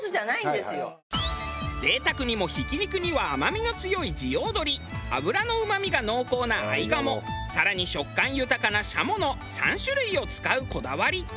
贅沢にもひき肉には甘みの強い地養鳥脂のうまみが濃厚な合鴨更に食感豊かな軍鶏の３種類を使うこだわり。